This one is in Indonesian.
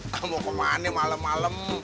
kamu kemana malam malam